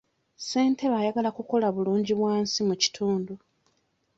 Ssentebe ayagala kukola bulungibwansi mu kitundu.